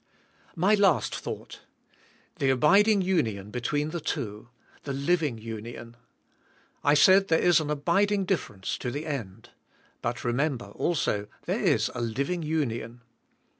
My last thought. The abiding union between the two; the living union. I said there is an abid ing difference to the end. But remember, also, there is a living union.